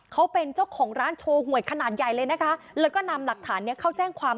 เขาเป็นเจ้าของร้านโชว์หวยขนาดใหญ่เลยนะคะแล้วก็นำหลักฐานเนี้ยเข้าแจ้งความ